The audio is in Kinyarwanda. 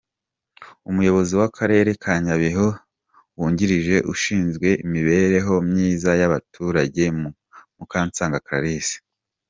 Umuyobozi w’akarere ka Nyabihu wungirije ushinzwe imibereho myiza y’abaturage, Mukansanga Clarisse.